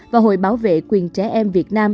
và hội bảo vệ quyền trẻ em việt nam